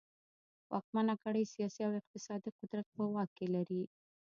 واکمنه کړۍ سیاسي او اقتصادي قدرت په واک کې لري.